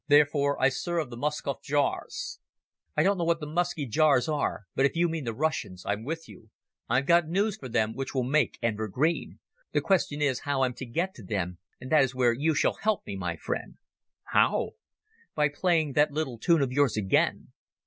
Therefore I serve the Muscov ghiaours." "I don't know what the Musky Jaws are, but if you mean the Russians I'm with you. I've got news for them which will make Enver green. The question is, how I'm to get to them, and that is where you shall help me, my friend." "How?" "By playing that little tune of yours again.